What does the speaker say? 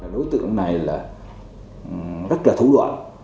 đối tượng này là rất là thủ đoạn